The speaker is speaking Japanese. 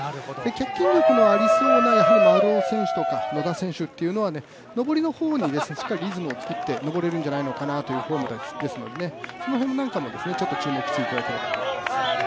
脚力もありそうなやはり丸尾選手とか野田選手はリズムを作って上れるんじゃないかなというフォームですのでその辺なんかも注目していただきたいと思います。